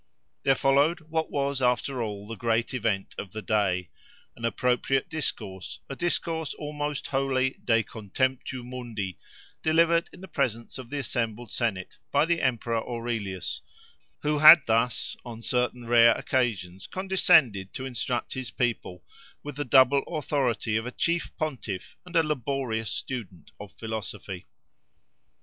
There followed what was, after all, the great event of the day:—an appropriate discourse, a discourse almost wholly de contemptu mundi, delivered in the presence of the assembled Senate, by the emperor Aurelius, who had thus, on certain rare occasions, condescended to instruct his people, with the double authority of a chief pontiff and a laborious student of philosophy.